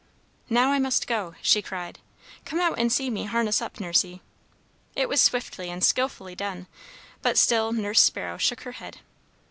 "Now, I must go!" she cried. "Come out and see me harness up, Nursey." It was swiftly and skilfully done, but still Nurse Sparrow shook her head.